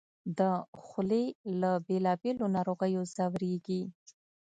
د خولې له بېلابېلو ناروغیو ځورېږي